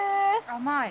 甘い。